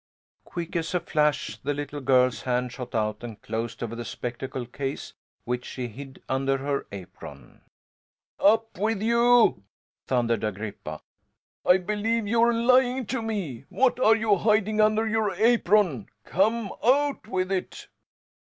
Quick as a flash the little girl's hand shot out and closed over the spectacle case, which she hid under her apron. "Up with you!" thundered Agrippa. "I believe you're lying to me. What are you hiding under your apron? Come! Out with it!"